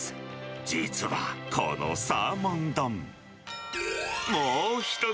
実は、このサーモン丼。